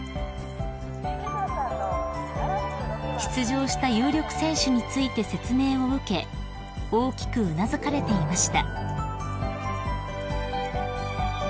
［出場した有力選手について説明を受け大きくうなずかれていました］